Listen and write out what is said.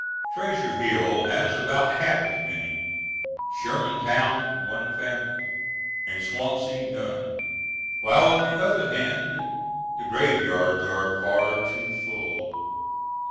Treasure Hill has about half as many, Shermantown one family, and Swansea none, while on the other hand the graveyards are far too full.